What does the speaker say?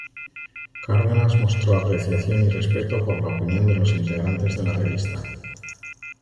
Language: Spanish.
Cárdenas mostró apreciación y respeto por la opinión de los integrantes de la revista.